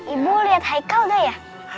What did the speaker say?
ibu liat haikal udah ya